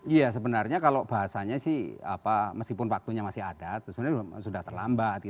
iya sebenarnya kalau bahasanya sih meskipun waktunya masih ada sebenarnya sudah terlambat